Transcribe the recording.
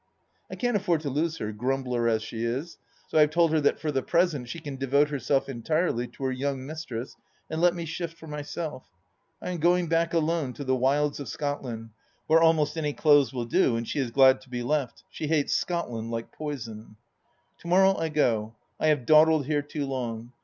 I can't afford to lose her, grumbler as she is, so I have told her that for the present she can devote herself entirely to her young mistress and let me shift for myself. I am going back alone to the wOds of Scotland, where almost any clothes will do, and she is glad to be left ; she hates Scotland like poison. To morrow I go. I have dawdled here too long.